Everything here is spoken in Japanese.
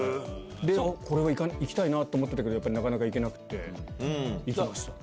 これは行きたいなと思ってたけどなかなか行けなくて行きました。